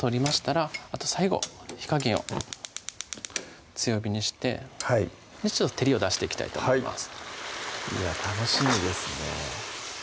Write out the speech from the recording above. らあと最後火加減を強火にしてはい照りを出していきたいと思います楽しみですね